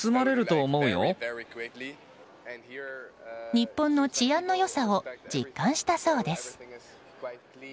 日本の治安の良さを実感したそうです。